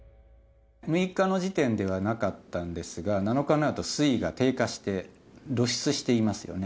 ６日の時点ではなかったんですが、７日になると水位が低下して、露出していますよね。